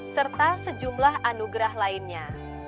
serta sejumlah anugerah lainnya